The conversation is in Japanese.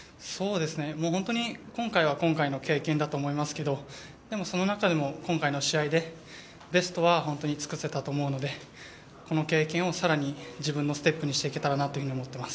本当に今回は今回の経験だと思いますけどでも、その中でも今回の試合でベストは本当に尽くせたと思うのでこの経験を更に自分のステップにしていけたらと思います。